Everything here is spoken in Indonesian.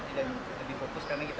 ada bonus tambahan kita